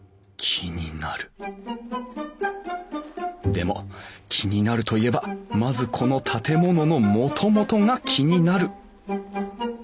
でも気になるといえばまずこの建物のもともとが気になる。